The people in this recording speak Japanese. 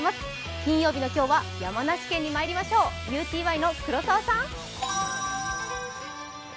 金曜日の今日は山梨県にまいりましょう、ＵＴＹの黒澤さん。